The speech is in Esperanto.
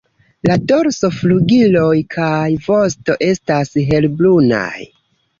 La dorso, flugiloj kaj vosto estas helbrunaj.